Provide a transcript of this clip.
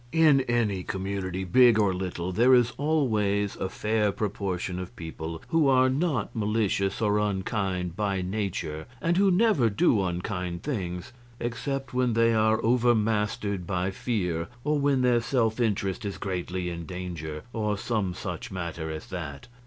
In any community, big or little, there is always a fair proportion of people who are not malicious or unkind by nature, and who never do unkind things except when they are overmastered by fear, or when their self interest is greatly in danger, or some such matter as that.